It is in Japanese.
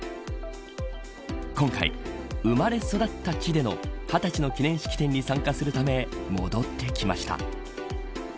今回、生まれ育った地での二十歳の記念式典に参加するため戻ってきました。